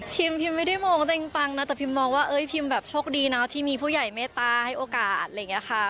พิมไม่ได้มองตัวเองปังนะแต่พิมมองว่าเอ้ยพิมแบบโชคดีเนาะที่มีผู้ใหญ่เมตตาให้โอกาสอะไรอย่างนี้ค่ะ